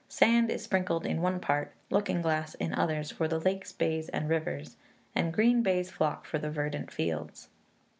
Sand is sprinkled in one part; looking glass in others, for the lakes, bays, and rivers; and green baize flock for the verdant fields.